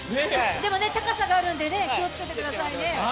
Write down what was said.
でも、高さがあるんで、気をつけてくださいね。